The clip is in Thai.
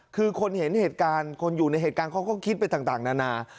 คือคนเห็นเหตุการณ์คนอยู่ในเหตุการณ์เขาก็คิดไปต่างนานา